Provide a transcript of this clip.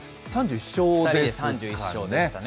２人で３１勝でしたね。